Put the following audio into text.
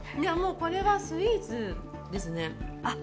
これはスイーツですね。